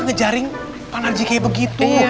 ngejaring pak nardi kayak begitu